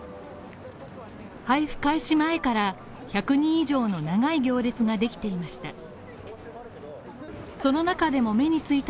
配布開始前から１００人以上の長い行列ができていました。